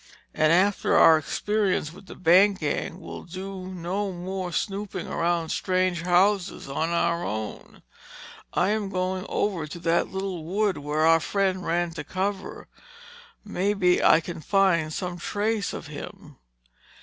And after our experience with the bank gang, we'll do no more snooping around strange houses on our own. I am going over to that little wood where our friend ran to cover. Maybe I can find some trace of him.